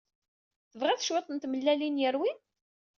Tebɣiḍ cwiṭ n tmellalin yerwin?